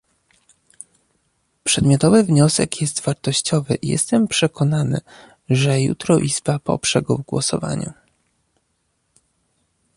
Przedmiotowy wniosek jest wartościowy i jestem przekonany, że jutro Izba poprze go w głosowaniu